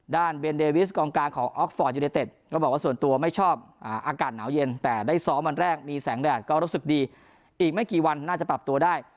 เบนเดวิสกองกลางของออกฟอร์ดยูเนเต็ดก็บอกว่าส่วนตัวไม่ชอบอากาศหนาวเย็นแต่ได้ซ้อมวันแรกมีแสงแดดก็รู้สึกดีอีกไม่กี่วันน่าจะปรับตัวได้